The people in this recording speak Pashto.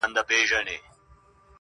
صبر د بېړې زیانونه کموي؛